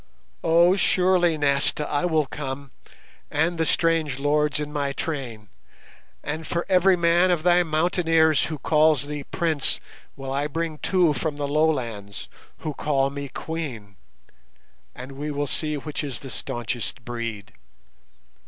"Oh, surely, Nasta, I will come, and the strange lords in my train, and for every man of thy mountaineers who calls thee Prince, will I bring two from the lowlands who call me Queen, and we will see which is the staunchest breed.